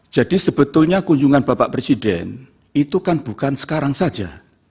jadi sebetulnya kunjungan bapak presiden itu kan bukan sekarang saja